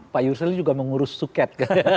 pak yusril juga mengurus suket